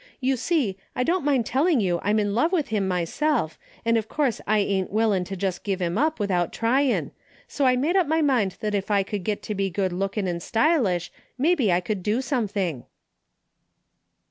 You see, I don't mind telling you I'm in love with him myself, and of course I ain't willin' to just give him up without tryin', so I made up my mind if I could get to be good lookin' an' stylish, maybe I could do something."